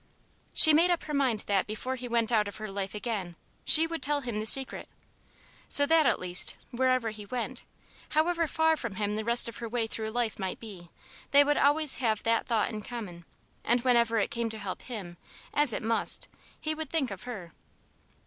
She made up her mind that before he went out of her life again, she would tell him the Secret; so that at least, wherever he went, however far from him the rest of her way through life might lie, they would always have that thought in common; and whenever it came to help him, as it must, he would think of her.